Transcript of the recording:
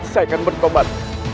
saya akan bertobat